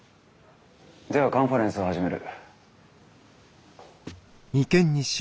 ではカンファレンスを始める。